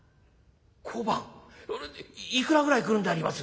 いくらぐらいくるんであります？」。